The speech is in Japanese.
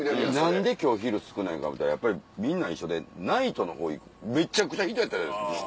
何で今日昼少ないかいうたらやっぱりみんな一緒でナイトの方めっちゃくちゃ人やったじゃないですか